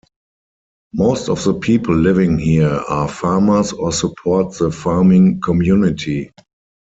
Most of the people living here are farmers or support the farming community.